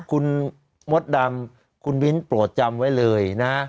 คุณมดดำคุณมิ้นโปรดจำไว้เลยนะ